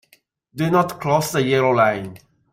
Do not cross the yellow line.